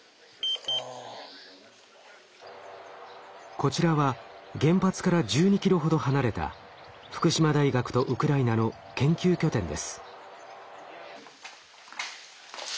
こちらは原発から１２ｋｍほど離れた福島大学とウクライナの研究拠点です。